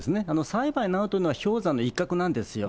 裁判になるというのは氷山の一角なんですよ。